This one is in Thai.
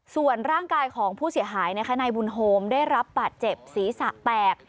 ส่วนร่างกายของผู้เสียหายในบุญโฮมได้รับปัดเจ็บสีสะแตก